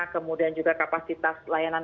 kemudian juga kapasitas layanan